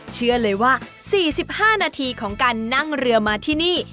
เชื่อเลยว่า๔๕นาทีของการนั่งเรือมาที่นี่